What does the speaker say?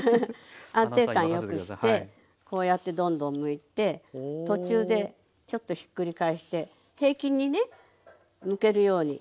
安定感をよくしてこうやってどんどんむいて途中でちょっとひっくり返して平均にねむけるように。